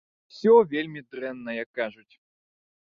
Усё вельмі дрэнна, як кажуць.